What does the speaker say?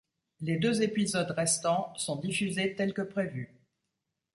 Les deux épisodes restants sont diffusés tel que prévu.